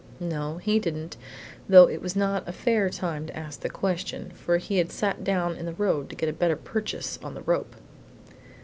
No, he didn't, though it was not a fair time to ask the question, for he had sat down in the road to get a better purchase on the rope.